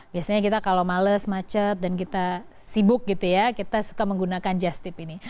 biasanya kita kalau males macet dan kita sibuk gitu ya kita suka menggunakan just tip ini